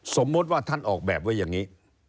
สมมุติว่าท่านออกแบบไว้อย่างนี้